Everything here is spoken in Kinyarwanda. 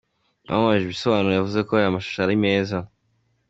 Bamubajije ibisobanuro, yavuze ko ayo mashusho ari meza.